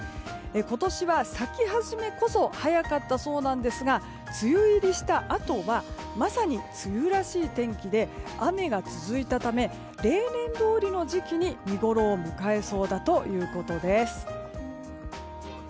今年は咲き始めこそ早かったそうなんですが梅雨入りしたあとはまさに梅雨らしい天気で雨が続いたため例年どおりの時期に見ごろを迎えそうだということです。